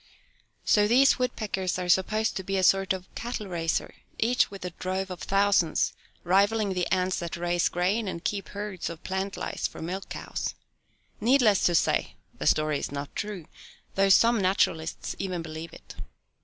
So these woodpeckers are supposed to be a sort of cattle raiser, each with a drove of thousands, rivaling the ants that raise grain and keep herds of plant lice for milk cows. Needless to say, the story is not true, though some naturalists even believe it.